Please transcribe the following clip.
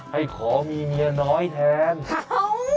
ให้ขอมีเมียน้อยแทนเขา